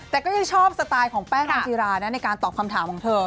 แต่ก็ยังชอบสไตล์ของแป้งนางจิรานะในการตอบคำถามของเธอ